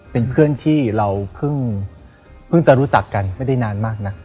เป็นเพื่อนที่เราเพิ่งจะรู้จักกันไม่ได้นานมากนะ